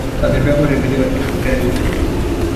তাদের ব্যবহারের বিধিও একেক পক্ষের একেক রকম।